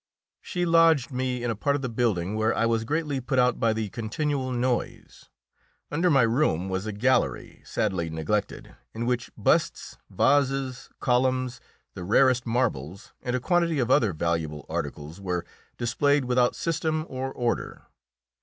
She lodged me in a part of the building where I was greatly put out by the continual noise. Under my room was a gallery, sadly neglected, in which busts, vases, columns, the rarest marbles, and a quantity of other valuable articles were displayed without system or order.